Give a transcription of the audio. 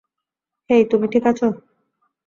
হেই, তুমি ঠিক আছো?